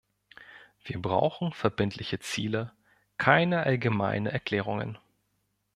Wir brauchen verbindliche Ziele, keine allgemeine Erklärungen.